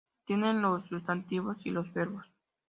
Se tienen los "sustantivos" y los "verbos".